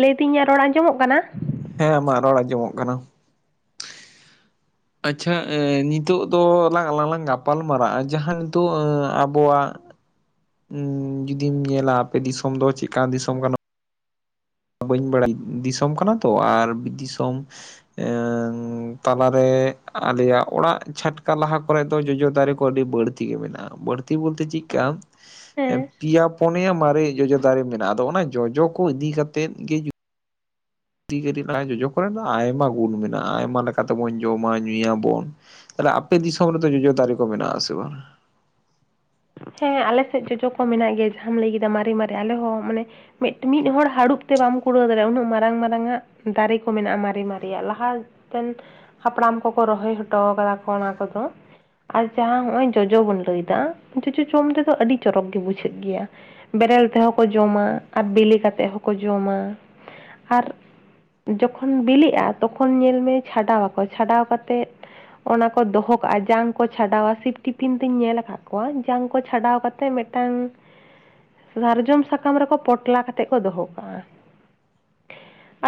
ᱞᱟᱹᱭ ᱫᱤᱧ ᱨᱚᱲ ᱟᱸᱡᱚᱢᱚᱜ ᱠᱟᱱᱟ? ᱦᱮᱸ ᱟᱢᱟᱜ ᱨᱚᱲ ᱟᱸᱡᱚᱢᱚᱜ ᱠᱟᱱᱟ᱾ ᱟᱪᱪᱷᱟ ᱱᱤᱛᱚᱜ ᱫᱚ ᱞᱟᱝ ᱟᱞᱟᱝ ᱟᱞᱟᱝ ᱜᱟᱯᱟᱞ ᱢᱟᱨᱟᱜᱼᱟ ᱡᱟᱦᱟᱸ ᱱᱤᱛᱚᱜ ᱟᱵᱚᱣᱟᱜ ᱡᱩᱫᱤᱧ ᱧᱮᱞᱟ ᱟᱯᱮ ᱫᱤᱥᱚᱢ ᱫᱚ ᱪᱮᱫᱠᱟ ᱫᱤᱥᱚᱢ ᱠᱟᱱᱟ? ᱵᱟᱹᱧ ᱵᱟᱲᱟᱭᱟ ᱫᱤᱥᱚᱢ ᱠᱟᱱᱟ ᱛᱚ ᱟᱨ ᱫᱤᱥᱚᱢ ᱮᱸᱝ ᱛᱟᱞᱟᱨᱮ ᱟᱞᱮᱭᱟᱜ ᱚᱲᱟᱜ ᱪᱷᱟᱴᱠᱟ ᱞᱟᱦᱟ ᱠᱚᱨᱮ ᱫᱚ ᱡᱚᱡᱚ ᱫᱟᱨᱮ ᱠᱚ ᱟᱹᱰᱤ ᱵᱟᱹᱲ ᱛᱤᱜᱮ ᱢᱮᱱᱟᱜᱼᱟ ᱵᱟᱹᱲᱛᱤ ᱵᱚᱞᱛᱮ ᱪᱤᱜ ᱠᱟ ᱦᱮᱸ ᱯᱤᱫᱭᱟ ᱯᱩᱱᱭᱟ ᱢᱟᱨᱮ ᱡᱚᱡᱚ ᱫᱟᱨᱮ ᱢᱮᱱᱟᱜᱼᱟ ᱟᱫᱚ ᱚᱱᱟ ᱡᱚᱡᱚ ᱠᱚ ᱤᱫᱤ ᱠᱟᱛᱮ ᱜᱮ ᱡᱩ ᱫᱤ ᱠᱟᱴᱤᱡ ᱱᱟ-ᱟᱭ ᱡᱚᱡᱚ ᱠᱚᱨᱮ ᱫᱚ ᱟᱭᱢᱟ ᱜᱩᱱ ᱢᱮᱱᱟᱜᱼᱟ ᱟᱭᱢᱟ ᱞᱮᱠᱟ ᱛᱮᱵᱚᱱ ᱡᱚᱢᱟ ᱧᱩᱭᱟᱵᱚᱱ᱾ ᱛᱟᱞᱦᱮ ᱟᱯᱮ ᱫᱤᱥᱚᱢ ᱨᱮᱫᱚ ᱡᱚᱡᱚ ᱫᱟᱨᱮ ᱠᱚ ᱢᱮᱱᱟᱜᱼᱟ ᱥᱮ ᱵᱟᱝᱟ? ᱦᱮᱸ ᱟᱞᱮ ᱥᱮᱫ ᱡᱚᱡᱚ ᱠᱚ ᱢᱮᱱᱟᱜ ᱜᱮᱭᱟ ᱡᱟᱦᱟᱸᱢ ᱞᱟᱹᱭ ᱠᱮᱫᱟ ᱢᱟᱨᱮ ᱢᱟᱨᱮ ᱟᱞᱮ ᱦᱚᱸ ᱢᱟᱱᱮ ᱢᱮᱜᱴᱮᱱᱤᱡ ᱦᱚᱲ ᱦᱟᱹᱨᱩᱵ ᱛᱮ ᱵᱟᱢ ᱠᱩᱲᱟᱹᱣ ᱫᱟᱲᱮᱭᱟᱜᱼᱟ ᱩᱱᱟᱹᱜ ᱢᱟᱨᱟᱝ ᱢᱟᱨᱟᱝᱟᱜ ᱫᱟᱨᱮ ᱠᱚ ᱢᱮᱱᱟᱜᱼᱟ ᱢᱟᱨᱮ ᱢᱟᱨᱮᱭᱟᱜ ᱞᱟᱦᱟᱛᱮᱱ ᱦᱟᱯᱲᱟᱢ ᱠᱚ ᱠᱚ ᱨᱚᱦᱚᱭ ᱦᱚᱴᱚᱣ ᱠᱟᱫᱟ ᱠᱚ ᱚᱱᱟᱠᱚᱫᱚ ᱟᱨ ᱡᱟᱦᱟᱸ ᱦᱚᱜᱼᱚᱭ ᱡᱚᱡᱚ ᱵᱚᱱ ᱞᱟᱹᱭᱫᱟ ᱡᱚᱡᱚ ᱡᱚᱢ ᱨᱮᱫᱚ ᱟᱹᱰᱤ ᱪᱚᱨᱚᱠ ᱜᱮ ᱵᱩᱡᱷᱟᱹᱜ ᱜᱮᱭᱟ᱾ ᱵᱮᱨᱮᱞ ᱛᱮᱦᱚᱸ ᱠᱚ ᱡᱚᱢᱟ ᱟᱨ ᱵᱤᱞᱤ ᱠᱟᱛᱮᱫ ᱦᱚᱸᱠᱚ ᱡᱚᱢᱟ ᱟᱨ ᱡᱚᱠᱷᱚᱱ ᱵᱤᱞᱤᱜᱼᱟ ᱛᱚᱠᱷᱚᱱ ᱧᱮᱞᱢᱮ ᱪᱷᱟᱰᱟᱣ ᱟᱠᱚ ᱪᱷᱟᱰᱟᱣ ᱠᱟᱛᱮᱫᱼᱼᱼ ᱚᱱᱟ ᱠᱚ ᱫᱚᱦᱚ ᱠᱟᱜᱼᱟ ᱡᱟᱝ ᱠᱚ ᱪᱷᱟᱰᱟᱣᱟ ᱥᱤᱯᱴᱤᱯᱷᱤᱱ ᱛᱮᱧ ᱧᱮᱞ ᱟᱠᱟᱫ ᱠᱚᱣᱟ ᱡᱟᱝ ᱠᱚ ᱪᱷᱟᱰᱟᱣ ᱠᱟᱛᱮ ᱢᱤᱫᱴᱟᱝ ᱥᱟᱨᱡᱚᱢ ᱥᱟᱠᱟᱢ ᱨᱮᱠᱚ ᱯᱚᱴᱞᱟ ᱠᱟᱛᱮ ᱠᱚ ᱫᱚᱦᱚ ᱠᱟᱜᱼᱟ᱾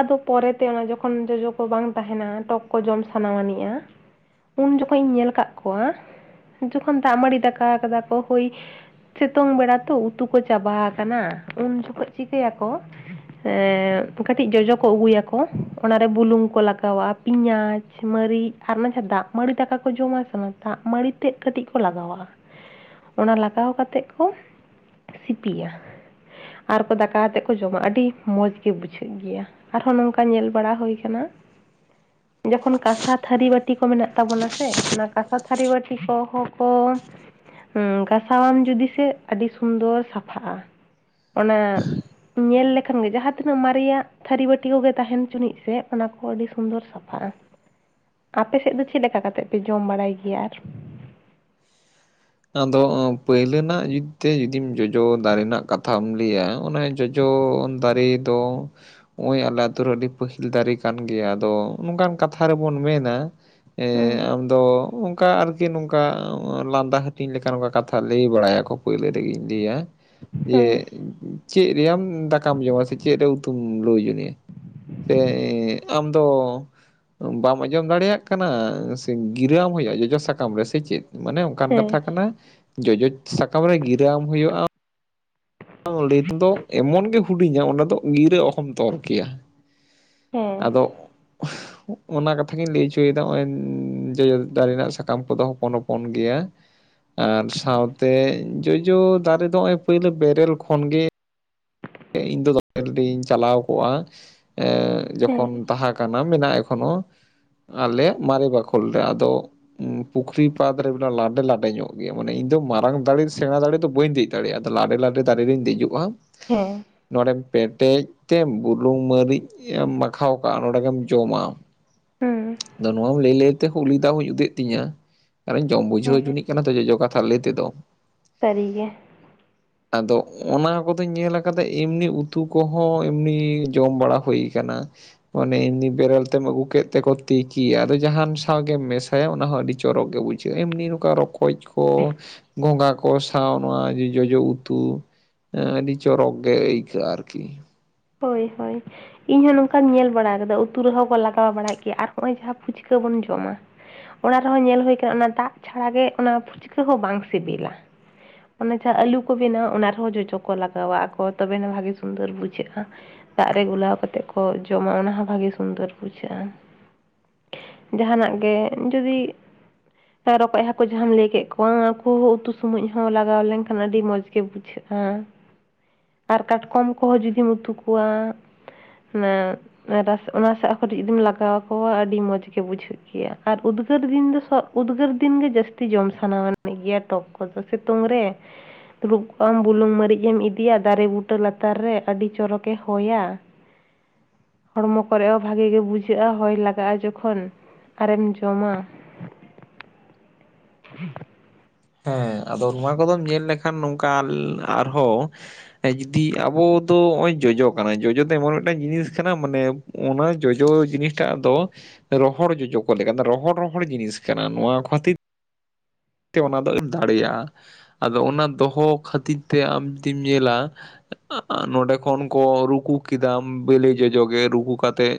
ᱟᱫᱚ ᱯᱚᱨᱮᱛᱮ ᱚᱱᱟ ᱡᱚᱠᱷᱚᱱ ᱡᱚᱡᱚ ᱠᱚ ᱵᱟᱝ ᱛᱟᱦᱮᱱᱟ ᱴᱚᱠ ᱠᱚ ᱡᱚᱢ ᱥᱟᱱᱟᱱᱤᱡᱜᱼᱟ ᱩᱱ ᱡᱚᱠᱷᱚᱡ ᱤᱧ ᱧᱮᱞ ᱠᱟᱜ ᱠᱚᱣᱟ ᱡᱚᱠᱷᱚᱱ ᱫᱟᱜ ᱢᱟᱹᱲᱤ ᱫᱟᱠᱟ ᱠᱟᱫᱟ ᱠᱚ ᱦᱳᱭ ᱥᱤᱛᱩᱝ ᱵᱮᱲᱟ ᱛᱚ ᱩᱛᱩ ᱠᱚ ᱪᱟᱵᱟ ᱟᱠᱟᱱᱟ ᱩᱱ ᱡᱚᱠᱷᱚᱱ ᱪᱤᱠᱟᱹᱭᱟᱠᱚ ᱮᱸᱠᱟᱹᱴᱤᱡ ᱡᱚᱡᱚ ᱠᱚ ᱟᱹᱜᱩᱭᱟᱠᱚ ᱚᱱᱟᱨᱮ ᱵᱩᱞᱩᱝ ᱠᱚ ᱞᱟᱜᱟᱣᱟᱜᱼᱟ ᱯᱮᱸᱭᱟᱡᱽ ᱢᱟᱹᱨᱤᱪ ᱟᱨ ᱚᱱᱟ ᱡᱟᱦᱟᱸ ᱫᱟᱜ ᱢᱟᱸᱲᱤ ᱫᱟᱠᱟ ᱠᱚ ᱡᱚᱢᱟ ᱥᱮ ᱚᱱᱟ ᱫᱟᱜ ᱢᱟᱹᱲᱤ ᱛᱮᱫ ᱠᱟᱹᱴᱤᱡ ᱠᱚ ᱞᱟᱜᱟᱣᱟᱜᱼᱟ᱾ ᱚᱱᱟ ᱞᱟᱜᱟᱣ ᱠᱟᱛᱮ ᱠᱚ ᱥᱤᱯᱤᱭᱟ ᱟᱨᱠᱚ ᱫᱟᱠᱟ ᱟᱛᱮᱫ ᱠᱚ ᱡᱚᱢᱟ ᱟᱹᱰᱤ ᱢᱚᱡᱽ ᱜᱮ ᱵᱩᱡᱷᱟᱹᱜ ᱜᱮᱭᱟ᱾ ᱟᱨᱦᱚᱸ ᱱᱚᱝᱠᱟ ᱧᱮᱞ ᱵᱟᱲᱟ ᱦᱳᱭ ᱠᱟᱱᱟ᱾ ᱡᱚᱠᱷᱚᱱ ᱠᱟᱸᱥᱟ ᱛᱷᱟᱹᱨᱤ ᱵᱟᱹᱴᱤ ᱠᱚ ᱢᱮᱱᱟᱜ ᱛᱟᱵᱚᱱᱟ ᱥᱮ ᱚᱱᱟ ᱠᱟᱸᱥᱟ ᱛᱷᱟᱹᱨᱤ ᱵᱟᱹᱴᱤ ᱠᱚᱦᱚᱸ ᱠᱚ ᱦᱩᱸ ᱜᱚᱥᱟᱣᱟᱢ ᱡᱩᱫᱤ ᱥᱮ ᱟᱹᱰᱤ ᱥᱩᱱᱫᱚᱨ ᱥᱟᱯᱷᱟᱜᱼᱟ ᱚᱱᱟ ᱧᱮᱞ ᱞᱮᱠᱷᱟᱱ ᱜᱮ ᱡᱟᱦᱟᱸ ᱛᱤᱱᱟᱹᱜ ᱢᱟᱨᱮᱭᱟᱜ ᱛᱷᱟᱹᱨᱤ ᱵᱟᱹᱴᱤ ᱠᱚᱜᱮ ᱛᱟᱦᱮᱱ ᱪᱩᱱᱤᱡ ᱥᱮ ᱚᱱᱟ ᱠᱚ ᱟᱹᱰᱤ ᱥᱩᱱᱫᱚᱨ ᱥᱟ ᱟᱯᱮ ᱥᱮᱫ ᱫᱚ ᱪᱮᱫ ᱞᱮᱠᱟ ᱠᱟᱛᱮ ᱯᱮ ᱡᱚᱢ ᱵᱟᱲᱟᱭ ᱜᱮᱭᱟ ᱟᱨ? ᱟᱫᱚ ᱯᱳᱭᱞᱟᱹᱱᱟᱜ ᱡᱩᱫᱛᱮ ᱡᱩᱫᱤᱢ ᱡᱚᱡᱚ ᱫᱟᱨᱮ ᱨᱮᱱᱟᱜ ᱠᱟᱛᱷᱟᱢ ᱞᱟᱹᱭᱟ ᱚᱱᱮ ᱡᱚ ᱡᱚ ᱫᱟᱨᱮ ᱫᱚ ᱦᱚᱜᱼᱚᱭ ᱟᱞᱮ ᱟᱛᱹᱳ ᱨᱮ ᱟᱹᱰᱤ ᱯᱟᱹᱦᱤᱞ ᱫᱟᱨᱮ ᱠᱟᱱ ᱜᱮᱭᱟ ᱟᱫᱚ ᱱᱚᱝᱠᱟᱱ ᱠᱟᱛᱷᱟ ᱨᱮᱵᱚᱱ ᱢᱮᱱᱟ ᱮ ᱦᱮᱸ ᱟᱢᱫᱚ ᱚᱱᱠᱟ ᱟᱨᱠᱤ ᱱᱚᱝᱠᱟ ᱞᱟᱸᱫᱟ ᱦᱟᱹ ᱤᱧ ᱞᱮᱠᱟ ᱱᱚᱝᱠᱟ ᱠᱟᱛᱷᱟ ᱞᱟᱹᱭ ᱵᱟᱲᱟᱭᱟᱠᱚ ᱯᱩᱭᱞᱟᱹ ᱨᱮᱜᱮᱧ ᱞᱟᱹᱭᱟ ᱡᱮᱼᱼᱼᱼ ᱦᱮᱸ ᱪᱮᱫ ᱨᱮᱭᱟᱢ ᱫᱟᱠᱟᱢ ᱡᱚᱢᱟ ᱥᱮ ᱪᱮᱫ ᱨᱮ ᱩᱛᱩᱢ ᱞᱳ ᱡᱚᱱᱤᱭᱟ ᱥᱮ ᱟᱢᱫᱚ ᱵᱟᱢ ᱟᱸᱡᱚᱢ ᱫᱟᱲᱮᱭᱟᱜ ᱠᱟᱱᱟ ᱥᱮ ᱜᱤᱨᱟᱹᱟᱢ ᱦᱳᱭᱳᱜᱼᱟ ᱡᱚᱡᱚ ᱥᱟᱠᱟᱢ ᱨᱮ ᱥᱮ ᱪᱮᱫ ᱢᱟᱱᱮᱼᱼᱼ ᱚᱱᱠᱟᱱ ᱦᱮᱸ ᱠᱟᱛᱷᱟ ᱠᱟᱱᱟ ᱡᱚᱡᱚ ᱥᱟᱠᱟᱢ ᱨᱮ ᱜᱤᱨᱟᱹ ᱟᱢ ᱦᱳᱭᱳᱜᱼᱟᱼᱼᱼᱼ ᱞᱟᱹᱭ ᱛᱮᱫᱚ ᱮᱢᱚᱱ ᱜᱮ ᱦᱩᱰᱤᱧᱟ ᱚᱸᱰᱮ ᱫᱚ ᱜᱤᱨᱟᱹ ᱚᱦᱚᱢ ᱛᱚᱞ ᱠᱮᱭᱟᱼᱼᱼ ᱦᱮᱸ ᱟᱫᱚ ᱚᱱᱟ ᱠᱟᱛᱷᱟ ᱜᱤᱧ ᱞᱟᱹᱭ ᱦᱚᱪᱚᱭᱫᱟ ᱱᱚᱜᱼᱚᱭ ᱡᱚᱡᱚ ᱫᱟᱨᱮ ᱨᱮᱱᱟᱜ ᱥᱟᱠᱟᱢ ᱠᱚᱫᱚ ᱦᱚᱯᱚᱱ ᱦᱚᱯᱚᱱ ᱜᱮᱭᱟ᱾ ᱟᱨ ᱥᱟᱶᱛᱮ ᱡᱚᱡᱚ ᱫᱟᱨᱮ ᱫᱚ ᱱᱚᱜᱼᱚᱭ ᱯᱳᱭᱞᱳ ᱵᱮᱨᱮᱞ ᱠᱷᱚᱱᱜᱮ ᱤᱧ ᱫᱚ [inaudible] ᱪᱟᱞᱟᱣ ᱠᱚᱜᱼᱟ᱾ ᱮᱸ ᱦᱮᱸ ᱡᱚᱠᱷᱚᱱ ᱛᱟᱦᱮᱸ ᱠᱟᱱᱟ ᱢᱮᱱᱟᱜᱼᱟ ᱮᱠᱷᱚᱱᱳ ᱟᱞᱮᱭᱟᱜ ᱢᱟᱨᱮ ᱵᱟᱠᱷᱳᱞ ᱨᱮ ᱟᱫᱚ ᱦᱩᱸ ᱯᱩᱠᱷᱨᱤ ᱯᱟᱫ ᱨᱮ ᱞᱟᱰᱮ ᱞᱟᱰᱮ ᱧᱚᱜ ᱜᱮᱭᱟ ᱢᱟᱱᱮ ᱤᱧ ᱫᱚ ᱢᱟᱨᱟᱝ ᱫᱟᱲᱮ ᱥᱮᱬᱟᱸ ᱫᱟᱲᱮ ᱫᱚ ᱵᱟᱹᱧ ᱫᱮᱡ ᱫᱟᱲᱮᱭᱟᱜ-ᱟ ᱟᱫᱚ ᱞᱟᱰᱮ ᱞᱟᱰᱮ ᱫᱟᱨᱮ ᱨᱮᱧ ᱫᱮᱡᱚᱜᱼᱟ, ᱦᱮᱸ᱾ ᱱᱚᱸᱰᱮᱢ ᱯᱮᱴᱮᱡ ᱛᱮᱢ ᱵᱩᱞᱩᱝ ᱢᱟᱹᱨᱤᱡ ᱮᱢ ᱢᱟᱠᱷᱟᱣ ᱠᱟᱜᱼᱟ ᱱᱚᱸᱰᱮ ᱜᱮᱢ ᱡᱚᱢᱟ᱾ ᱦᱩᱸ ᱟᱫᱚ ᱱᱚᱣᱟᱢ ᱞᱟᱹᱭ ᱞᱟᱹᱭ ᱛᱮᱦᱚᱸ ᱩᱞᱤᱫᱟᱜ ᱦᱚᱧ ᱩᱫ ᱮᱜ ᱛᱤᱧᱟᱹ ᱟᱨᱮᱧ ᱡᱚᱢ ᱵᱩᱡᱷᱟᱹᱣ ᱦᱮᱸ ᱦᱚᱪᱚᱱᱤᱡ ᱠᱟᱱᱟ ᱛᱚ ᱡᱚᱡᱚ ᱠᱟᱛᱷᱟ ᱞᱟᱹᱭ ᱛᱮᱫᱚ, ᱥᱟᱹᱨᱤ ᱜᱮ᱾ ᱟᱫᱚ ᱚᱱᱟ ᱠᱚᱫᱚᱧ ᱧᱮᱞᱟ ᱠᱟᱛᱮᱫ ᱮᱢᱱᱤ ᱩᱛᱩ ᱠᱚᱦᱚᱸ ᱮᱢᱱᱤ ᱡᱚᱢ ᱵᱟᱲᱟ ᱦᱩᱭ ᱠᱟᱱᱟ, ᱾ ᱢᱟᱱᱮ ᱮᱢᱱᱤ ᱵᱮᱨᱮᱞ ᱛᱮᱢ ᱟᱹᱜᱩ ᱠᱮᱫ ᱛᱮᱠᱚ ᱛᱤᱠᱤᱭᱟ ᱟᱫᱚ ᱡᱟᱦᱟᱱ ᱥᱟᱶᱜᱮᱢ ᱢᱮᱥᱟ ᱦᱮ ᱚᱱᱟ ᱦᱚ ᱟᱹᱰᱤ ᱪᱚᱨᱚᱠ ᱜᱮ ᱵᱩᱡᱷᱟᱹᱜᱼᱟ ᱮᱢᱱᱤ ᱱᱚᱝᱠᱟ ᱨᱚᱠᱚᱡ ᱠᱚ ᱜᱚᱝᱜᱷᱟ ᱠᱚ ᱥᱟᱶ ᱱᱚᱣᱟ ᱡᱚ ᱡᱚᱡᱚ ᱩᱛᱩ ᱟᱹᱰᱤ ᱪᱚᱨᱚᱠ ᱜᱮ ᱟᱹᱭᱠᱟᱹᱜᱼᱟ ᱟᱨᱠᱤ᱾ ᱦᱳᱭ ᱦᱳᱭ᱾ ᱤᱧ ᱦᱚ ᱱᱚᱝᱠᱟᱧ ᱧᱮᱞ ᱵᱟᱲᱟ ᱟᱠᱟᱫᱟ ᱩᱛᱩ ᱨᱮᱦᱚ ᱠᱚ ᱞᱟᱜᱟᱣ ᱵᱟᱲᱟᱭᱮᱫ ᱜᱮᱭᱟ ᱟᱨ ᱦᱚᱸᱜ-ᱚᱭ ᱡᱟᱦᱟ ᱯᱷᱩᱪᱠᱟᱹ ᱵᱚᱱ ᱡᱚᱢᱟ ᱚᱱᱟ ᱨᱮᱦᱚ ᱧᱮᱞ ᱦᱳᱭ ᱠᱟᱱᱟ ᱚᱱᱟ ᱫᱟᱜ ᱪᱷᱟᱲᱟ ᱜᱮ ᱚᱱᱟ ᱯᱷᱩᱪᱠᱟᱹ ᱦᱚ ᱵᱟᱝ ᱥᱮᱵᱮᱞᱟ᱾ ᱚᱱᱮ ᱡᱟᱦᱟ ᱟᱹᱞᱩ ᱠᱚ ᱵᱮᱱᱟᱣᱟ ᱚᱱᱟ ᱨᱮᱦᱚ ᱡᱚᱡᱚ ᱠᱚ ᱞᱟᱜᱟᱣᱟ ᱟᱠᱚ ᱛᱚᱵᱮᱱᱟ ᱵᱷᱟᱜᱮ ᱥᱩᱱᱫᱚᱨ ᱵᱩᱡᱷᱟᱹᱜᱼᱟ᱾ ᱫᱟᱜ ᱨᱮ ᱜᱩᱞᱟᱣ ᱠᱟᱛᱮᱜ ᱠᱚ ᱡᱚᱢᱟ ᱚᱱᱟ ᱦᱚ ᱵᱷᱟᱜᱮ ᱥᱩᱱᱫᱚᱨ ᱵᱩᱡᱷᱟᱹᱜᱼᱟ᱾ ᱡᱟᱦᱟᱱᱟᱜ ᱜᱮ ᱡᱩᱫᱤ ᱨᱚᱠᱚᱡ ᱦᱟᱹᱠᱩ ᱡᱟᱦᱟᱢ ᱞᱟᱹᱭ ᱠᱮᱫ ᱠᱚᱣᱟ ᱩᱱᱠᱩ ᱦᱚ ᱩᱛᱩ ᱥᱚᱢᱚᱡ ᱦᱚ ᱞᱟᱜᱟᱣ ᱞᱮᱱᱠᱷᱟᱱ ᱟᱹᱰᱤ ᱢᱚᱡᱽ ᱜᱮ ᱵᱩᱡᱷᱟᱹᱜ-ᱟ᱾ ᱟᱨ ᱠᱟᱴᱠᱚᱢ ᱠᱚᱦᱚ ᱡᱩᱫᱤᱢ ᱩᱛᱩ ᱠᱚᱣᱟ [unintelligible] ᱨᱟᱥ ᱚᱱᱟ ᱥᱟᱜ ᱦᱚ ᱠᱟᱹᱴᱤᱡ ᱡᱩᱫᱤᱢ ᱞᱟᱜᱟᱣᱟᱠᱚᱣᱟ ᱟᱹᱰᱤ ᱢᱚᱸᱡᱽ ᱜᱮ ᱵᱩᱡᱷᱟᱹᱜ ᱜᱮᱭᱟ ᱟᱨ ᱩᱫᱽᱜᱟᱹᱨ ᱫᱤᱱ ᱫᱚ ᱥᱚᱜ ᱩᱫᱽᱜᱟᱹᱨ ᱫᱤᱱ ᱜᱮ ᱡᱟᱹᱥᱛᱤ ᱡᱚᱢ ᱥᱟᱱᱟᱣ ᱟᱱᱤᱡ ᱜᱮᱭᱟ ᱴᱚᱠ ᱠᱚᱫᱚ ᱥᱮᱛᱳᱝ ᱨᱮ ᱫᱩᱲᱩᱵ ᱠᱚᱜ ᱟᱢ ᱵᱩᱞᱩᱝ ᱢᱟᱹᱨᱤᱽ ᱮᱢ ᱤᱫᱤᱭᱟ ᱫᱟᱨᱮ ᱵᱩᱴᱟᱹ ᱞᱟᱛᱟᱨ ᱨᱮ ᱟᱹᱰᱤ ᱪᱚᱨᱚᱠ ᱜᱮ ᱦᱳᱭ-ᱟ᱾ ᱦᱚᱲᱢᱚ ᱠᱚᱨᱮ ᱦᱚ ᱵᱷᱟᱜᱮ ᱜᱮ ᱵᱩᱡᱷᱟᱹᱜᱼᱟ ᱦᱚᱭ ᱞᱟᱜᱟᱜᱼᱟ ᱡᱚᱠᱷᱚᱱ᱾ ᱟᱨᱮᱢ ᱡᱚᱢᱟ᱾ ᱦᱮ ᱟᱫᱚ ᱱᱚᱣᱟ ᱠᱚᱫᱚᱢ ᱧᱮᱞ ᱞᱮᱠᱷᱟᱱ ᱱᱚᱝᱠᱟ ᱟᱨᱦᱚ ᱦᱮ ᱡᱩᱫᱤ ᱟᱵᱚ ᱫᱚ ᱱᱚᱜᱼᱚᱭ ᱡᱚᱡᱚ ᱠᱟᱱᱟ ᱡᱚᱡᱚ ᱫᱚ ᱮᱢᱚᱱ ᱢᱤᱫᱴᱟᱝ ᱡᱤᱱᱤᱥ ᱠᱟᱱᱟ ᱢᱟᱱᱮ ᱚᱱᱟ ᱡᱚᱡᱚ ᱡᱤᱱᱤᱥᱴᱟᱜ ᱫᱚ ᱨᱚᱦᱚᱲ ᱡᱚᱡᱚ ᱠᱚ ᱞᱮᱠᱟ ᱫᱚ, ᱨᱚᱦᱚᱲ ᱨᱚᱦᱚᱲ ᱡᱤᱱᱤᱥ ᱠᱟᱱᱟ ᱱᱚᱣᱟ ᱠᱷᱟᱹᱛᱤᱨ ᱛᱮ ᱚᱱᱟ ᱫᱚ ᱮᱢ ᱫᱟᱲᱮᱭᱟᱜᱼᱟ ᱟᱫᱚ ᱚᱱᱟ ᱫᱚᱦᱚ ᱠᱷᱟᱹᱛᱤᱨ ᱛᱮ ᱟᱢ ᱡᱩᱫᱤᱢ ᱧᱮᱞᱟ ᱱᱚᱸᱰᱮ ᱠᱷᱚᱱ ᱠᱚ ᱨᱩᱠᱩ ᱠᱮᱫᱟᱢ ᱵᱮᱞᱮ ᱡᱚᱡᱚ ᱜᱮ ᱨᱩᱠᱩ ᱠᱟᱛᱮᱜ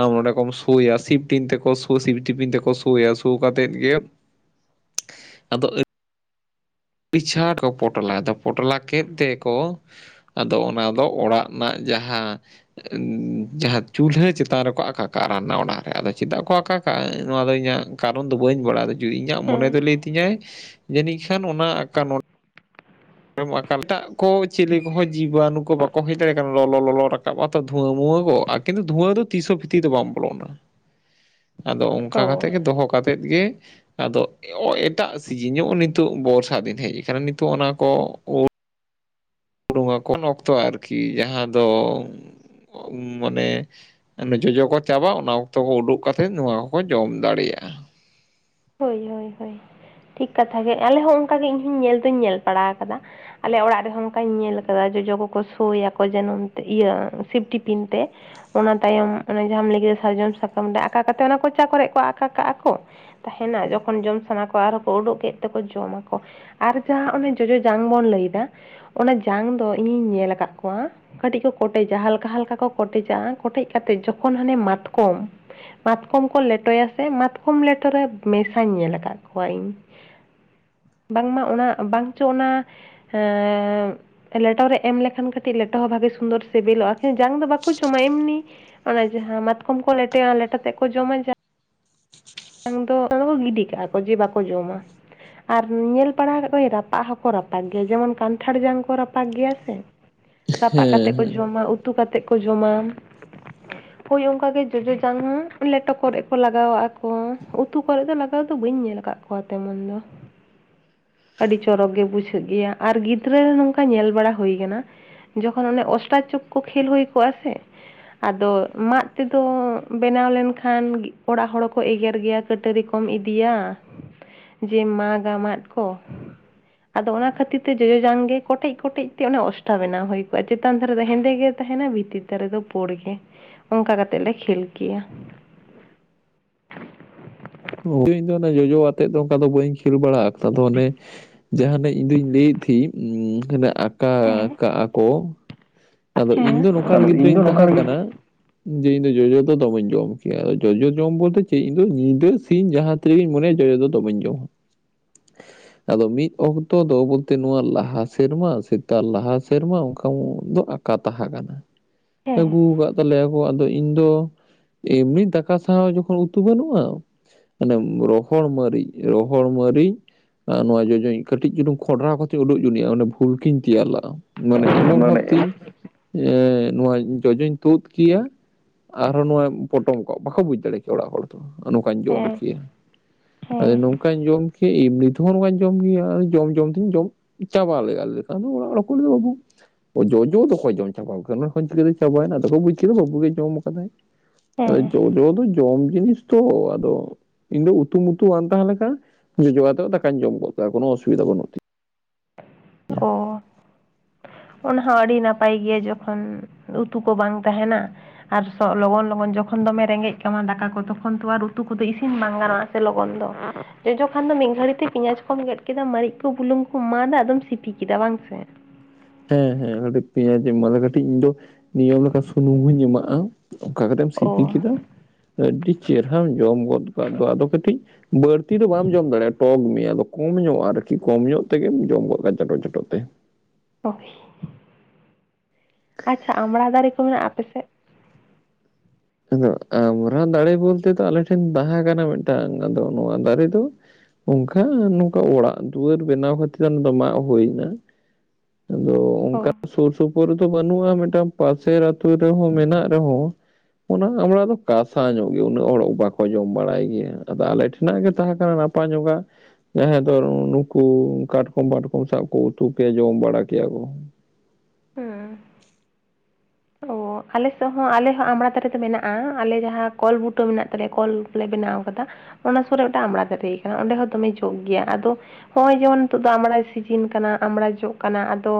ᱟᱢ ᱱᱚᱰᱮ ᱠᱚᱢ ᱥᱳᱭᱟ ᱥᱤᱯᱴᱤᱱ ᱛᱮᱠᱚ ᱥᱳ ᱥᱤᱯᱴᱤᱯᱤᱱ ᱛᱮᱠᱚ ᱥᱳᱭᱟ ᱥᱳ ᱠᱟᱛᱮᱫ ᱜᱮ ᱟᱫᱚ ᱟᱹᱰᱤᱪᱷᱟᱴ ᱠᱚ ᱯᱚᱴᱚᱞᱟᱭᱫᱟ ᱯᱚᱴᱚᱞᱟ ᱠᱮᱫ ᱛᱮᱠᱚ ᱟᱫᱚ ᱚᱱᱟ ᱫᱚ ᱚᱲᱟᱜ ᱨᱮᱱᱟᱜ ᱡᱟᱦᱟ ᱡᱟᱦᱟ ᱪᱩᱞᱦᱟᱹ ᱪᱮᱛᱟᱱ ᱨᱮᱠᱚ ᱟᱠᱟ ᱠᱟᱜᱼᱟ ᱨᱟᱱᱱᱟ ᱚᱱᱟᱜ ᱨᱮ, ᱟᱫᱚ ᱪᱮᱫᱟᱜ ᱠᱚ ᱟᱠᱟ ᱠᱟᱜ-ᱟ ᱱᱚᱣᱟ ᱫᱚ ᱤᱧᱟᱹᱜ ᱠᱟᱨᱚᱱ ᱫᱚ ᱵᱟᱹᱧ ᱵᱟᱲᱟᱭ ᱫᱚ ᱡᱩᱫᱤ ᱤᱧᱟᱹᱜ ᱢᱚᱱᱮ ᱫᱚ ᱞᱟᱹᱭ ᱛᱤᱧᱟᱹᱭ ᱡᱟᱹᱱᱤᱡ ᱠᱷᱟᱱ ᱚᱱᱟ ᱟᱠᱟ ᱚᱸᱰᱮᱢ ᱟᱠᱟᱞ ᱴᱟᱜ ᱠᱚ ᱪᱮᱞᱮ ᱠᱚᱦᱚ ᱡᱤᱵᱟᱱᱩ ᱠᱚ ᱵᱟᱠᱚ ᱦᱮᱡ ᱫᱟᱲᱮᱭᱟᱜ ᱠᱟᱱᱟ ᱞᱚᱞᱚ ᱞᱚᱞᱚ ᱨᱟᱠᱟᱵᱼᱟ ᱛᱚ ᱫᱷᱩᱣᱟᱹ ᱢᱩᱣᱟᱹ ᱠᱚ ᱠᱤᱱᱛᱩ ᱫᱷᱩᱣᱟᱹ ᱫᱚ ᱛᱤᱥᱚ ᱦᱚ ᱵᱷᱤᱛᱤᱨ ᱫᱚ ᱵᱟᱝ ᱵᱚᱞᱚᱱᱟ᱾ [inaudible] ᱟᱫᱚ ᱚᱱᱠᱟ ᱚ ᱠᱟᱛᱮᱜ ᱜᱮ ᱫᱚᱦᱚ ᱠᱟᱛᱮᱫ ᱜᱮ ᱟᱫᱚ ᱮᱴᱟᱜ ᱥᱤᱡᱤᱱ ᱧᱚᱜ ᱱᱤᱛᱚᱜ ᱵᱚᱨᱥᱟ ᱫᱤᱱ ᱦᱮᱡ ᱟᱠᱟᱱᱟ ᱱᱤᱛᱚᱜ ᱚᱱᱟ ᱠᱚ ᱳᱫ [unintelligible] ᱩᱱ ᱚᱠᱛᱚ ᱟᱨᱠᱤ ᱡᱟᱦᱟ ᱫᱚ ᱢᱟᱱᱮ ᱡᱚᱡᱚ ᱠᱚ ᱪᱟᱵᱟ-ᱟ ᱚᱱᱟ ᱚᱠᱛᱚ ᱠᱚ ᱩᱰᱩᱠ ᱠᱟᱛᱮᱫ ᱱᱚᱣᱟ ᱦᱚᱠᱚ ᱡᱚᱢ ᱫᱟᱲᱮᱭᱟᱜᱼᱟ᱾ ᱦᱳᱭ ᱦᱳᱭ ᱦᱳᱭ ᱴᱷᱤᱠ ᱠᱟᱛᱷᱟ ᱜᱮ ᱟᱞᱮ ᱦᱚ ᱚᱱᱠᱟᱜᱮ ᱤᱧᱦᱚᱸᱧ ᱧᱮᱞ ᱫᱩᱧ ᱧᱮᱞ ᱵᱟᱲᱟ ᱟᱠᱟᱫᱟ ᱟᱞᱮ ᱚᱲᱟᱜ ᱨᱮᱦᱚ ᱚᱱᱠᱟᱧ ᱧᱮᱞ ᱠᱟᱫᱟ ᱡᱚᱡᱚ ᱠᱚᱠᱚ ᱥᱳᱭᱟᱠᱚ ᱡᱟᱱᱩᱢ ᱛᱮ ᱤᱭᱟᱹ ᱥᱤᱯᱴᱤᱯᱤᱱ ᱛᱮ ᱚᱱᱟ ᱛᱟᱭᱚᱢ ᱚᱱᱮ ᱡᱟᱦᱟᱢ ᱞᱮ ᱠᱮᱫᱟ ᱥᱟᱨᱡᱚᱢ ᱥᱟᱠᱟᱢ ᱨᱮ ᱟᱠᱟ ᱠᱟᱛᱮᱫ ᱚᱱᱟ ᱠᱚᱪᱟ ᱠᱚᱨᱮ ᱠᱚ ᱟᱠᱟ ᱠᱟᱜᱼᱟ ᱠᱚ ᱛᱟᱦᱮᱱᱟ ᱡᱚᱠᱷᱚᱱ ᱡᱚᱢ ᱥᱟᱱᱟ ᱠᱚᱣᱟ ᱟᱨᱦᱚ ᱠᱚ ᱳᱰᱳᱠ ᱠᱮᱫ ᱛᱮᱠᱚ ᱡᱚᱢᱟᱠᱚ ᱟᱨ ᱡᱟᱦᱟ ᱚᱱᱮ ᱡᱚᱡᱚ ᱡᱟᱝ ᱵᱚᱱ ᱞᱟᱹᱭᱫᱟ ᱚᱱᱟ ᱡᱟᱝ ᱫᱚ ᱤᱧᱤᱧ ᱧᱮᱞ ᱟᱠᱟᱫ ᱠᱚᱣᱟ [unintelligible] ᱠᱚ ᱠᱚᱴᱮᱡᱟ ᱦᱟᱞᱠᱟ ᱦᱟᱞᱠᱟ ᱠᱚ ᱠᱚᱴᱮᱡᱟᱜ-ᱟ ᱠᱚᱴᱮᱡ ᱠᱟᱛᱮᱫ ᱡᱚᱠᱷᱚᱱ ᱦᱟᱱᱮ ᱢᱟᱛᱠᱚᱢ ᱢᱟᱛᱠᱚᱢ ᱠᱚ ᱞᱮᱴᱚᱭᱟ ᱥᱮ ᱢᱟᱛᱠᱚᱢ ᱞᱮᱴᱚᱨᱮ ᱢᱮᱥᱟᱧ ᱧᱮᱞ ᱟᱠᱟᱫ ᱠᱚᱣᱟ ᱤᱧ ᱵᱟᱝᱢᱟ ᱚᱱᱟ ᱵᱟᱝᱪᱚ ᱚᱱᱟ ᱮᱸᱻ ᱞᱮᱴᱚ ᱨᱮ ᱮᱢ ᱞᱮᱠᱷᱟᱱ ᱠᱟᱹᱴᱤᱡ ᱞᱮᱴᱚ ᱦᱚᱸ ᱵᱷᱟᱜᱮ ᱥᱩᱱᱫᱚᱨ ᱥᱤᱵᱤᱞᱚᱜᱼᱟ ᱡᱟᱝ ᱫᱚ ᱵᱟᱠᱚ ᱡᱚᱢᱟ ᱮᱢᱱᱤ ᱚᱱᱮ ᱡᱟᱦᱟᱸ ᱢᱟᱛᱠᱚᱢ ᱞᱮᱴᱚᱭᱟ ᱞᱮᱴᱚ ᱛᱮᱫ ᱠᱚ ᱡᱚᱢᱟ ᱫᱚ ᱚᱱᱟ ᱠᱚ ᱜᱤᱰᱤ ᱠᱟᱜᱼᱟ ᱠᱚ ᱡᱮ ᱵᱟᱠᱚ ᱡᱚᱢᱟ ᱾ ᱟᱨ ᱧᱮᱞ ᱵᱟᱲᱟ ᱟᱠᱟ ᱜᱮᱭᱟ ᱨᱟᱯᱟᱜ ᱦᱚᱸᱠᱚ ᱨᱟᱯᱟᱜ ᱜᱮᱭᱟ ᱡᱮᱢᱚᱱ ᱠᱟᱱᱴᱷᱟᱲ ᱡᱟᱝ ᱠᱚ ᱨᱟᱯᱟᱜ ᱜᱮᱭᱟ ᱥᱮ ᱾ ᱨᱟᱯᱟᱜ ᱦᱮᱸ ᱠᱟᱛᱮ ᱠᱚ ᱦᱮᱸ ᱡᱚᱢᱟ ᱩᱛᱩ ᱠᱟᱛᱮ ᱠᱚ ᱡᱚᱢᱟ ᱾ ᱦᱳᱭ ᱚᱱᱠᱟ ᱜᱮ ᱡᱚᱡᱚ ᱡᱟᱝ ᱦᱚᱸ ᱞᱮᱴᱚ ᱠᱚᱨᱮᱜ ᱠᱚ ᱞᱟᱜᱟᱣᱟᱜ ᱠᱚ ᱩᱛᱩ ᱠᱚᱨᱮ ᱫᱚ ᱞᱟᱜᱟᱣ ᱫᱚ ᱵᱟᱹᱧ ᱧᱮᱞ ᱟᱠᱟᱫ ᱠᱚᱣᱟ ᱛᱮᱢᱚᱱ ᱫᱚ ᱾ ᱟᱹᱰᱤ ᱪᱚᱨᱚᱠ ᱜᱮ ᱵᱩᱡᱷᱟᱹᱜ ᱜᱮᱭᱟ ᱟᱨ ᱜᱤᱫᱽᱨᱟᱹ ᱱᱚᱝᱠᱟ ᱧᱮᱞ ᱵᱟᱲᱟ ᱦᱩᱭ ᱠᱟᱱᱟ ᱾ ᱡᱚᱠᱷᱚᱱ ᱚᱱᱮ ᱚᱥᱴᱨᱟᱪᱚᱠᱚ ᱠᱷᱮᱞ ᱦᱩᱭ ᱠᱚᱜᱼᱟ ᱥᱮ ᱾ ᱟᱫᱚ ᱢᱟᱫ ᱛᱮᱫᱚ ᱵᱮᱱᱟᱣ ᱞᱮᱱᱠᱷᱟᱱ ᱚᱲᱟᱜ ᱦᱚᱲ ᱾ ᱠᱚ ᱮᱜᱮᱨ ᱜᱮᱭᱟ ᱠᱟᱹᱴᱟᱹᱨᱤ ᱠᱚᱢ ᱤᱫᱤᱭᱟ ᱡᱮ ᱢᱟᱜᱟᱢ ᱢᱟᱫ ᱠᱚ ᱾ ᱟᱫᱚ ᱚᱱᱟ ᱠᱷᱟᱹᱛᱤᱨ ᱛᱮ ᱡᱚᱡᱚ ᱡᱟᱝ ᱜᱮ ᱠᱚᱴᱮᱡ ᱠᱚᱴᱮᱡ ᱛᱮ ᱚᱱᱮ ᱚᱥᱴᱷᱟ ᱵᱮᱱᱟᱣ ᱦᱩᱭ ᱠᱚᱜᱼᱟ ᱪᱮᱛᱟᱱ ᱫᱷᱟᱨᱮ ᱫᱚ ᱦᱮᱸᱫᱮ ᱜᱮ ᱛᱟᱦᱮᱱᱟ ᱵᱷᱤᱛᱤᱨ ᱫᱟᱨ ᱨᱮᱫᱚ ᱯᱳᱲ ᱜᱮ ᱚᱱᱠᱟ ᱠᱟᱛᱮᱜ ᱞᱮ ᱠᱷᱮᱞ ᱠᱮᱭᱟ ᱾ ᱚᱸ ᱾ ᱮ ᱡᱚᱡᱚ ᱟᱛᱮᱫ ᱫᱚ ᱚᱱᱠᱟ ᱫᱚ ᱵᱟᱹᱧ ᱠᱷᱮᱞ ᱵᱟᱲᱟᱜ ᱫᱚ ᱚᱱᱮ ᱡᱟᱦᱟᱱᱟᱜ ᱤᱧ ᱫᱩᱧ ᱞᱟᱹᱭᱮᱫ ᱛᱷᱤᱜ ᱤᱧ ᱟᱠᱟ ᱦᱮᱸ ᱠᱟᱜ ᱠᱚ ᱟᱫᱚ ᱦᱮᱸ ᱤᱧ ᱫᱚ ᱱᱚᱝᱠᱟᱱ ᱟᱫᱚ ᱤᱧ ᱜᱤᱫᱽᱨᱟᱹᱧ ᱫᱚ ᱱᱚᱝᱠᱟ ᱛᱟᱦᱮᱸ ᱞᱟᱹᱜᱤᱫ ᱠᱟᱱᱟ ᱾ ᱡᱮ ᱤᱧ ᱫᱚ ᱡᱚᱡᱚ ᱫᱚ ᱫᱚᱢᱮᱧ ᱡᱚᱢ ᱠᱮᱭᱟ ᱟᱫᱚ ᱡᱚᱡᱚ ᱡᱚᱢ ᱵᱚᱞᱛᱮ ᱪᱮᱫ ᱤᱧ ᱫᱚ ᱧᱤᱫᱟᱹ ᱥᱤᱧ ᱡᱟᱦᱟᱸ ᱛᱟᱹᱣ ᱡᱮ ᱢᱚᱱᱭᱟ ᱡᱚᱡᱚ ᱫᱚ ᱫᱚᱢᱮᱧ ᱡᱚᱢᱟ ᱾ [unintelligible] ᱟᱫᱚ ᱢᱤᱫ ᱚᱠᱛᱚ ᱫᱚ ᱵᱚᱞᱛᱮ ᱱᱚᱣᱟ ᱞᱟᱦᱟ ᱥᱮᱨᱢᱟ ᱥᱮᱛᱟᱜ ᱞᱟᱦᱟ ᱥᱮᱨᱢᱟ ᱚᱱᱠᱟ ᱠᱟ ᱛᱟᱦᱮᱸ ᱠᱟᱱᱟ ᱦᱮᱸ ᱟᱹᱜᱩ ᱟᱠᱟᱫ ᱮᱭᱟᱠᱚ ᱟᱫᱚ ᱤᱧ ᱫᱚ ᱮᱢᱱᱤ ᱫᱟᱠᱟ ᱥᱟᱶ ᱡᱚᱠᱷᱚᱱ ᱩᱛᱩ ᱵᱟᱹᱱᱩᱜᱼᱟ ᱢᱟᱱᱮ ᱨᱚᱦᱚᱲ ᱢᱟᱹᱨᱤᱪ ᱨᱚᱦᱚᱲ ᱢᱟᱹᱨᱤᱪ ᱱᱚᱣᱟ ᱡᱚᱡᱚᱧ ᱠᱟᱹᱴᱤᱡ ᱪᱩᱞᱩ ᱠᱷᱰᱨᱟᱣ ᱠᱟᱛᱮᱧ ᱩᱰᱩᱠ ᱡᱚᱰᱤ ᱵᱷᱩᱞ ᱠᱤᱧ ᱛᱮᱭᱟᱨ ᱞᱮᱫᱟᱜᱼᱟ ᱢᱟᱱᱮ ᱮᱢᱚᱱ ᱵᱷᱟᱵ ᱢᱟᱱᱮ ᱛᱮᱧ ᱮᱸᱻ ᱱᱚᱣᱟ ᱡᱚᱡᱚᱧ ᱛᱩᱫ ᱠᱮᱭᱟ ᱟᱨᱦᱚᱸ ᱱᱚᱣᱟ ᱯᱚᱴᱚᱢ ᱠᱚᱜ ᱵᱟᱠᱚ ᱵᱩᱡᱽ ᱫᱟᱲᱮ ᱠᱮᱭᱟ ᱚᱲᱟᱜ ᱦᱚᱲ ᱾ ᱱᱚᱝᱠᱟᱧ ᱡᱚᱢ ᱦᱮᱸ ᱠᱮᱭᱟ ᱦᱮᱸ ᱟᱫᱚᱠᱟ ᱚᱱᱠᱟᱧ ᱡᱚᱢ ᱠᱮᱭᱟ ᱮᱢᱱᱤ ᱛᱮᱦᱚᱸ ᱚᱱᱠᱟᱧ ᱡᱚᱢ ᱠᱮ ᱡᱚᱢ ᱡᱚᱢ ᱛᱤᱧ ᱡᱚᱢ ᱪᱟᱵᱟ ᱞᱮᱞᱟᱞ ᱠᱷᱟᱱ ᱚᱲ ᱞᱮᱫ ᱵᱟᱹᱵᱩ ᱡᱚᱡᱚ ᱫᱚ ᱡᱚᱢ ᱪᱟᱵᱟ ᱠᱮᱫ ᱪᱟᱹ ᱪᱟᱵᱟᱭᱮᱱᱟ ᱟᱫᱚ ᱠᱚ ᱵᱩᱡ ᱠᱮᱫᱟ ᱵᱟᱹᱵᱩ ᱜᱮ ᱡᱚᱢᱫᱟᱭ ᱟᱫᱚ ᱦᱮᱸ ᱡᱚᱡᱚ ᱫᱚ ᱡᱚᱢ ᱡᱤᱱᱤᱥ ᱛᱚ ᱟᱫᱚ ᱤᱧ ᱫᱚ ᱩᱛᱩ ᱢᱛᱩ ᱵᱟᱝ ᱛᱟᱦᱮᱸ ᱞᱮᱠᱟ ᱡᱚᱡᱚᱜ ᱠᱟᱛᱮ ᱫᱟᱠᱟᱧᱚᱢ ᱠᱚᱜ ᱠᱚᱣᱟ ᱠᱚᱱᱳ ᱚᱥᱩᱵᱤᱫᱟ ᱵᱟᱹᱱᱩᱜᱤᱧᱟ ᱾ ᱚ ᱾ ᱚᱱᱟ ᱦᱚᱸ ᱟᱰᱤ ᱱᱟᱯ ᱱᱟᱯᱟᱭ ᱜᱮᱭᱟ ᱡᱚᱠᱷᱚᱱ ᱩᱛᱩ ᱠᱚ ᱵᱟᱝ ᱛᱟᱦᱮᱱᱟ ᱟᱨ ᱞᱚᱜᱚᱱ ᱞᱚᱜᱚᱱ ᱡᱚᱠᱷᱚᱱ ᱫᱚᱢᱮ ᱨᱮᱸᱜᱮᱡ ᱠᱟᱢᱟ ᱫᱟᱠᱟ ᱠᱚ ᱛᱚᱠᱷᱚᱱ ᱛᱚ ᱟᱨ ᱩᱛᱩ ᱠᱚᱫᱚ ᱤᱥᱤᱱ ᱵᱟᱝ ᱜᱟᱱᱚᱜᱼᱟ ᱾ ᱞᱚᱜᱚᱱ ᱫᱚ ᱡᱚᱡᱚ ᱠᱷᱟᱱ ᱫᱚ ᱢᱤᱫ ᱜᱷᱟᱹᱲᱤ ᱛᱮ ᱯᱮᱸᱭᱟᱡ ᱠᱚᱢ ᱜᱮᱫ ᱠᱮᱫᱟ ᱢᱟᱨᱤ ᱠᱚ ᱵᱩᱞᱩ ᱠᱚᱢ ᱮᱢᱟᱫᱟ ᱟᱫᱚᱢ ᱥᱤᱯᱤ ᱠᱮ ᱠᱮᱫᱟᱜ ᱵᱟᱝ ᱥᱮ ᱾ ᱦᱮᱸ ᱦᱮᱸ ᱠᱟᱹᱴᱤᱡ ᱯᱮᱭᱟᱡᱤᱧ ᱮᱢᱟᱫᱟ ᱠᱟᱹᱴᱤᱡ ᱤᱧ ᱫᱚ ᱱᱤᱭᱚᱢ ᱞᱮᱠᱟ ᱥᱩᱱᱩᱢ ᱦᱚᱧ ᱮᱢᱟᱜᱼᱟ ᱾ ᱚᱸᱠᱟ ᱠᱟᱛᱮᱢ ᱥᱤᱯᱤ ᱚ ᱠᱮᱫᱟ ᱟᱹᱰᱤ ᱪᱮᱨᱦᱟ ᱡᱚᱢ ᱚᱛᱯᱟᱫ ᱫᱚ ᱟᱫᱚ ᱠᱟᱹᱴᱤᱡ ᱵᱟᱹᱲᱛᱤ ᱫᱚ ᱵᱟᱢ ᱡᱚᱢ ᱫᱟᱲᱮᱭᱟᱜᱼᱟ, ᱴᱚᱜᱽ ᱢᱮᱭᱟ ᱟᱫᱚ ᱠᱚᱢ ᱧᱚᱜᱼᱟ ᱟᱨᱠᱤ, ᱠᱚᱢ ᱧᱚᱜ ᱛᱮᱜᱮᱢ ᱡᱚᱢ ᱜᱚᱫ ᱠᱟ, ᱪᱟᱴᱚ ᱪᱟᱴᱚ ᱛᱮ᱾ ᱚᱠᱷᱮ ᱟᱪᱪᱷᱟ ᱟᱢᱲᱟ ᱫᱟᱨᱮ ᱠᱚ ᱢᱮᱱᱟᱜᱼᱟ ᱟᱯ ᱥᱮᱜ? ᱟᱫᱚ ᱟᱢᱨᱟ ᱫᱟᱲᱮ ᱵᱚᱞᱛᱮ ᱫᱚ ᱟᱞᱮ ᱴᱷᱮᱱ ᱵᱟᱦᱟ ᱠᱟᱱᱟ ᱢᱤᱫᱴᱟᱝ, ᱟᱫᱚ ᱱᱚᱣᱟ ᱫᱟᱨᱮ ᱫᱚ ᱚᱝᱠᱟ ᱱᱚᱝᱠᱟ ᱚᱲᱟᱜ ᱫᱩᱣᱟᱹᱨ ᱵᱮᱱᱟᱣ ᱠᱷᱟᱹᱛᱤᱨ ᱚᱱᱟ ᱫᱚ ᱢᱟᱜ ᱦᱩᱭ ᱮᱱᱟ᱾ ᱟᱫᱚ ᱚ ᱚᱱᱠᱟ ᱥᱩᱨ ᱥᱩᱯᱩᱨ ᱨᱮᱫᱚ ᱵᱟᱹᱱᱩᱜ-ᱟ, ᱢᱤᱫᱴᱟᱝ ᱯᱟᱥᱮᱨ ᱟᱛᱳ ᱨᱮᱦᱚᱸ ᱢᱮᱱᱟᱜ ᱨᱮᱦᱚᱸ ᱚᱱᱟ ᱟᱢᱲᱟ ᱫᱚ ᱠᱟᱥᱟ ᱧᱚᱜ ᱜᱮᱭᱟ, ᱩᱱᱟᱹᱜ ᱦᱚᱲ ᱵᱟᱠᱚ ᱡᱚᱢ ᱵᱟᱲᱟᱭ ᱜᱮᱭᱟ, ᱟᱫᱚ ᱟᱞᱮ ᱴᱷᱮᱱᱟᱜ ᱜᱮ ᱛᱟᱦᱮᱸ ᱠᱟᱱᱟ ᱯᱟᱸᱡᱳᱜᱟ ᱦᱮᱸ ᱟᱫᱚ ᱱᱩᱠᱩ ᱠᱟᱴᱠᱚᱢ ᱵᱟᱴᱠᱚᱢ ᱥᱟᱜ ᱠᱚ ᱩᱛᱩ ᱠᱮᱭᱟ, ᱡᱚᱢ ᱵᱟᱲᱟ ᱠᱮᱭᱟ ᱠᱚ᱾ ᱦᱩᱸ᱾ ᱚ ᱟᱞᱮᱥᱮᱜ ᱦᱚᱸ ᱟᱞᱮ ᱦᱚᱸ ᱟᱢᱲᱟ ᱫᱟᱨᱮ ᱫᱚ ᱢᱮᱱᱟᱜ-ᱟ, ᱟᱞᱮ ᱡᱟᱦᱟᱸ ᱠᱚᱞ ᱵᱩᱴᱟᱹ ᱢᱮᱱᱟᱜ ᱛᱟᱞᱮᱭᱟ ᱠᱚᱞ ᱞᱮ ᱵᱮᱱᱟᱣ ᱠᱟᱫᱟ᱾ ᱚᱱᱟ ᱥᱩᱨ ᱨᱮ ᱢᱤᱫᱴᱟᱝ ᱟᱢᱲᱟ ᱫᱟᱨᱮ ᱟᱠᱟᱱᱟ, ᱚᱸᱰᱮ ᱦᱚᱸ ᱫᱚᱢᱮ ᱡᱚᱜ ᱜᱮᱭᱟ, ᱟᱫᱚ ᱦᱚᱸᱜ-ᱚᱭ ᱡᱮᱢᱚᱱ ᱱᱤᱛᱚᱜ ᱫᱚ ᱟᱢᱲᱟᱭ ᱥᱤᱡᱤᱱ ᱠᱟᱱᱟ, ᱟᱢᱲᱟ ᱡᱚᱜ ᱠᱟᱱᱟ ᱟᱫᱚ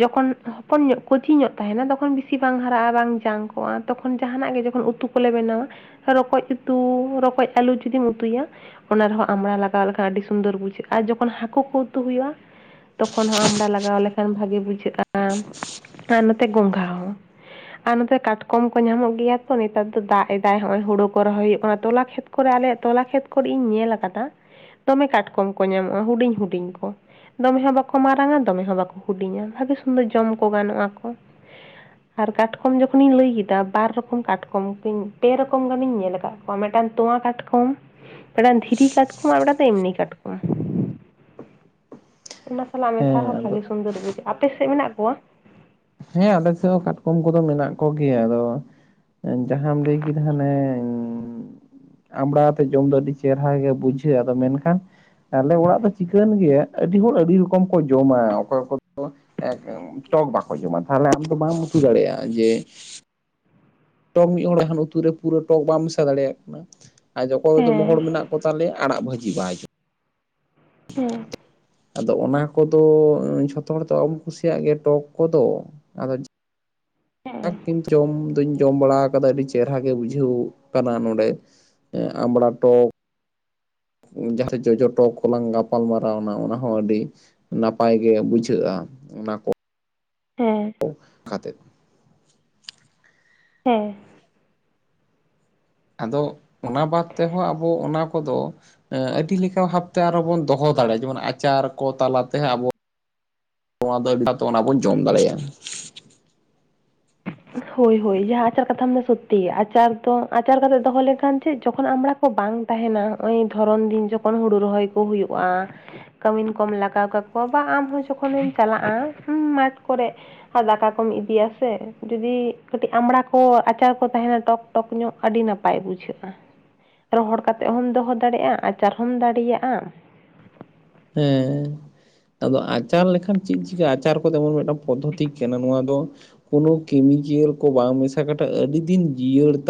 ᱡᱚᱠᱷᱚᱱ ᱦᱚᱯᱚᱱ ᱧᱚᱜ ᱠᱩᱪᱤ ᱧᱚᱜ ᱛᱟᱦᱮᱸᱱᱟ ᱛᱚᱠᱷᱚᱱ ᱵᱮᱥᱤ ᱵᱟᱝ ᱦᱟᱨᱟᱜ-ᱟ, ᱵᱟᱝ ᱡᱟᱝ ᱠᱚᱜ-ᱟ ᱛᱚᱠᱷᱚᱱ ᱡᱟᱦᱟᱸᱱᱟᱜ ᱜᱮ ᱡᱚᱠᱷᱚᱱ ᱩᱛᱩ ᱠᱚᱞᱮ ᱵᱮᱱᱟᱣᱟ ᱨᱚᱠᱚᱡ ᱩᱛᱩ, ᱨᱚᱠᱚᱡ ᱟᱹᱞᱩ ᱡᱩᱫᱤᱢ ᱩᱛᱩᱭᱟ ᱚᱱᱟ ᱨᱮᱦᱚᱸ ᱟᱢᱲᱟ ᱞᱟᱜᱟᱣ ᱞᱮᱠᱷᱟᱱ ᱟᱹᱰᱤ ᱥᱩᱱᱫᱚᱨ ᱵᱩᱡᱷᱟᱹᱜ-ᱟ, ᱟᱨ ᱡᱚᱠᱷᱚᱱ ᱦᱟᱹᱠᱩ ᱠᱚ ᱩᱛᱩ ᱦᱩᱭᱩᱜ-ᱟ ᱛᱚᱠᱷᱚᱱ ᱦᱚᱸ ᱟᱢᱲᱟ ᱞᱟᱜᱟᱣ ᱞᱮᱠᱷᱟᱱ ᱵᱷᱟᱹᱜᱤ ᱵᱩᱡᱷᱟᱹᱜ-ᱟ, ᱟᱨ ᱱᱚᱛᱮ ᱜᱚᱝᱜᱷᱟ ᱦᱚᱸ᱾ ᱟᱨ ᱱᱚᱛᱮ ᱠᱟᱴᱠᱚᱢ ᱠᱚ ᱧᱟᱢᱚᱜ ᱜᱮᱭᱟ ᱛᱚ, ᱱᱮᱛᱟᱨ ᱫᱚ ᱫᱟᱜ ᱮᱫᱟᱭ ᱦᱚᱜ-ᱚᱭ ᱦᱩᱲᱩ ᱠᱚ ᱨᱚᱦᱚᱭ ᱦᱩᱭᱩᱜ ᱠᱟᱱᱟ ᱛᱚᱞᱟ ᱠᱷᱮᱛ ᱠᱚᱨᱮ ᱟᱞᱮᱭᱟᱜ ᱛᱚᱞᱟ ᱠᱷᱮᱛ ᱠᱚᱨᱮ ᱤᱧ ᱧᱮᱞ ᱟᱠᱟᱫᱟ᱾ ᱫᱚᱢᱮ ᱠᱟᱴᱠᱚᱢ ᱠᱚ ᱧᱟᱢᱚᱜ-ᱟ ᱦᱩᱰᱤᱧ ᱦᱩᱰᱤᱧ ᱠᱚ᱾ ᱫᱚᱢᱮ ᱦᱚᱸ ᱵᱟᱠᱚ ᱢᱟᱨᱟᱝᱟ, ᱫᱚᱢᱮ ᱦᱚᱸ ᱵᱟᱠᱚ ᱦᱩᱰᱤᱧᱟ, ᱵᱷᱟᱜᱮ ᱥᱩᱱᱫᱚᱨ ᱡᱚᱢ ᱠᱚ ᱜᱟᱱᱚᱜ-ᱟᱠᱚ᱾ ᱟᱨ ᱠᱟᱴᱠᱚᱢ ᱡᱚᱠᱷᱚᱱᱤᱧ ᱞᱟᱹᱭ ᱠᱮᱫᱟ, ᱵᱟᱨ ᱨᱚᱠᱚᱢ ᱠᱟᱴᱠᱚᱢ, ᱯᱮ ᱨᱚᱠᱚᱢ ᱜᱟᱱᱤᱧ ᱧᱮᱞ ᱟᱠᱟᱫ ᱚ ᱢᱮᱴᱟᱝ ᱛᱳᱣᱟ ᱠᱟᱴᱠᱚᱢ᱾ ᱢᱤᱴᱟᱝ ᱫᱷᱤᱨᱤᱨ ᱠᱟᱴᱠᱚᱢ, ᱟᱨ ᱢᱤᱴᱟᱝ ᱫᱚ ᱮᱢᱱᱤ ᱠᱟᱴᱠᱚᱢ᱾ ᱚᱱᱟ ᱥᱟᱞᱟᱜ ᱢᱮᱥᱟ ᱦᱮᱸ ᱦᱚᱸ ᱟᱫᱚ ᱵᱷᱟᱜᱮ ᱥᱩᱱᱫᱚᱨ ᱵᱩᱡᱷᱟᱹᱜ-ᱟ, ᱟᱯᱮ ᱥᱮᱫ ᱢᱮᱱᱟᱜ ᱠᱚᱣᱟ? ᱦᱮᱸ ᱟᱞᱮ ᱥᱮᱜ ᱦᱚᱸ ᱠᱟᱴᱠᱚᱢ ᱠᱚᱫᱚ ᱢᱮᱱᱟᱜ ᱠᱚᱜᱮᱭᱟ, ᱟᱫᱚ ᱮᱱ ᱡᱟᱦᱟᱸᱢ ᱞᱟᱹᱭ ᱠᱮᱫᱟ ᱦᱟᱱᱮᱻ ᱾ ᱟᱢᱲᱟ ᱟᱛᱮᱫ ᱡᱚᱢ ᱫᱚ ᱟᱹᱰᱤ ᱪᱮᱨᱦᱟ ᱜᱮ ᱵᱩᱡᱷᱟᱹᱜ-ᱟ, ᱟᱫᱚ ᱢᱮᱱᱠᱷᱟᱱ ᱟᱞᱮ ᱚᱲᱟᱜ ᱫᱚ ᱪᱤᱠᱟᱹᱱ ᱜᱮᱭᱟ ᱟᱹᱰᱤ ᱦᱚᱲ ᱟᱹᱰᱤ ᱨᱚᱠᱚᱢ ᱠᱚ ᱡᱚᱢᱟ᱾ ᱚᱠᱚᱭ ᱠᱚᱫᱚ ᱴᱚᱞ ᱵᱟᱝ ᱠᱚ ᱡᱚᱢᱟ, ᱛᱟᱦᱚᱸᱞᱮ ᱟᱢ ᱫᱚ ᱵᱟᱢ ᱩᱛᱩ ᱫᱟᱲᱮᱭᱟᱜ-ᱟ ᱡᱮ ᱴᱚᱠ ᱢᱤᱫ ᱦᱚᱲ ᱠᱷᱟᱱ ᱩᱛᱩᱨᱮ ᱯᱩᱨᱟᱹ ᱴᱚᱠ ᱵᱟᱢ ᱢᱮᱥᱟ ᱫᱟᱲᱮᱭᱟᱜ ᱠᱟᱱᱟ᱾ ᱟᱨ ᱡᱚᱠᱚᱭ ᱫᱚ ᱦᱚᱲ ᱦᱮᱸ ᱢᱮᱱᱟᱜ ᱠᱚ ᱛᱟᱞᱮᱭᱟ ᱟᱲᱟᱜ ᱵᱷᱟᱹᱡᱤ ᱵᱟᱭ ᱡᱚ ᱦᱩᱸ᱾ ᱟᱫᱚ ᱚᱱᱟ ᱠᱚᱫᱚ ᱡᱷᱚᱛᱚ ᱦᱚᱲ ᱫᱚ ᱵᱟᱵᱚᱱ ᱠᱩᱥᱤᱭᱟᱜ ᱜᱮᱭᱟ ᱴᱚᱠ ᱠᱚᱫᱚ ᱟᱫᱚ ᱦᱮᱸ [unintelligible] ᱡᱚᱢ ᱫᱩᱧ ᱡᱚᱢ ᱵᱟᱲᱟ ᱠᱟᱫᱟ, ᱟᱹᱰᱤ ᱪᱮᱦᱨᱟ ᱜᱮ ᱵᱩᱡᱷᱟᱹᱣ ᱠᱟᱱᱟ ᱱᱚᱰᱮ, ᱮ ᱟᱢᱵᱲᱟ ᱴᱚᱠ᱾ ᱡᱟᱦᱟᱸᱨᱮ ᱡᱚᱴᱚ ᱴᱚᱠ ᱠᱚᱞᱟᱝ ᱜᱟᱯᱟᱞ ᱢᱟᱨᱟᱣᱱᱟ, ᱚᱱᱟ ᱦᱚᱸ ᱟᱹᱰᱤ ᱱᱟᱯᱟᱭ ᱜᱮ ᱵᱩᱡᱷᱟᱹᱜ-ᱟ, ᱚᱱᱟ ᱠᱚ ᱦᱮᱸ᱾ [inaudible] ᱠᱷᱟᱛᱮ᱾ ᱦᱮᱸ᱾ ᱟᱫᱚ ᱚᱱᱟ ᱵᱟᱫᱽ ᱛᱮᱦᱚᱸ ᱟᱵᱚ ᱚᱱᱟ ᱠᱚᱫᱚ ᱟᱹᱰᱤ ᱞᱮᱠᱟ ᱵᱷᱟᱯᱛᱮ ᱟᱨᱚ ᱵᱚᱱ ᱫᱚᱦᱚᱸ ᱫᱟᱲᱮᱣᱟᱜ-ᱟ ᱡᱮᱢᱚᱱ ᱟᱪᱟᱨ ᱠᱚ ᱛᱟᱞᱟᱛᱮ, ᱟᱵᱚ [unintelligible] ᱚᱱᱟ ᱵᱚᱱ ᱡᱚᱢ ᱫᱟᱲᱮᱭᱟ-ᱟ᱾ ᱦᱳᱭ-ᱦᱳᱭ, ᱡᱟᱦᱟᱸ ᱟᱪᱟᱨ ᱠᱟᱛᱷᱟ ᱫᱚ ᱥᱚᱛᱛᱤ ᱜᱮᱫᱭᱟ, ᱟᱪᱟᱨ ᱫᱚ ᱟᱪᱟᱨ ᱠᱟᱛᱮ ᱫᱚᱦᱚᱸ ᱞᱮᱱᱠᱷᱟᱱ ᱪᱮ ᱡᱚᱠᱷᱚᱱ ᱟᱢᱲᱟ ᱵᱟᱝ ᱛᱟᱦᱮᱸᱱᱟ ᱦᱚᱜ-ᱚᱭ ᱫᱷᱚᱨᱚᱱ ᱫᱤᱱ ᱡᱚᱠᱷᱚᱱ ᱦᱩᱲᱩ ᱨᱚᱦᱚᱭ ᱠᱚ ᱦᱩᱭᱩᱜ-ᱟ᱾ ᱠᱟᱹᱢᱤᱱ ᱠᱚᱢ ᱞᱟᱜᱟᱣ ᱠᱟᱠᱚᱣᱟ᱾ ᱵᱟ ᱟᱢᱦᱚᱸ ᱡᱚᱠᱷᱚᱱᱮᱢ ᱪᱟᱞᱟᱜ-ᱟ, ᱦᱩᱸ ᱢᱟᱴᱷ ᱠᱚᱨᱮ ᱫᱟᱠᱟ ᱠᱚᱢ ᱤᱫᱤᱭᱟᱥᱮ ᱡᱩᱫᱤ ᱠᱟᱹᱴᱤᱡ ᱟᱢᱲᱟ ᱠᱚ ᱟᱪᱟᱨ ᱠᱚ ᱛᱟᱦᱮᱱᱟ ᱴᱚᱠ ᱴᱚᱠ ᱧᱚᱜ ᱟᱹᱰᱤ ᱱᱟᱯᱟᱭ ᱵᱩᱡᱷᱟᱹᱜᱼᱟ᱾ ᱨᱚᱦᱚᱲ ᱠᱟᱛᱮ ᱦᱚᱢ ᱫᱚᱦᱚ ᱫᱟᱲᱮᱭᱟᱜᱼᱟ ᱟᱪᱟᱨ ᱡᱚᱢ ᱫᱟᱲᱮᱭᱟᱜᱼᱟ᱾ ᱦᱮᱸᱻ ᱟᱫᱚ ᱟᱪᱟᱨ ᱞᱮᱠᱷᱟᱱ ᱪᱮᱫ ᱪᱤᱠᱟᱹᱜᱼᱟ ᱟᱪᱟᱨ ᱠᱚᱫᱚ ᱡᱮᱢᱚᱱ ᱢᱤᱫᱴᱟᱝ ᱯᱚᱫᱽᱫᱷᱚᱛᱤ ᱠᱟᱱᱟ ᱱᱚᱣᱟ ᱫᱚ ᱠᱳᱚᱱᱳ ᱠᱮᱢᱤᱠᱮᱞ ᱠᱚ ᱵᱟᱝ ᱢᱮᱥᱟ ᱠᱟᱛᱮᱫ ᱟᱹᱰᱤ ᱫᱤᱱ ᱡᱤᱭᱟᱹᱲ ᱛᱟᱦᱮᱸ